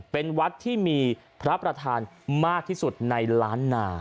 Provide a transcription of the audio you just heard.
เป็นวัดที่มีพระประธานมากที่สุดในล้านนา